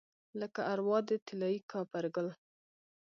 لکه اروا د طلايي کاپرګل